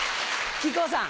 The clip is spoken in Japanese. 木久扇さん。